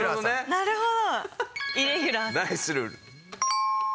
なるほど！